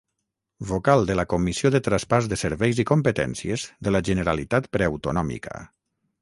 Vocal de la Comissió de traspàs de serveis i competències de la Generalitat preautonòmica.